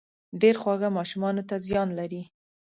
ډېر خواږه ماشومانو ته زيان لري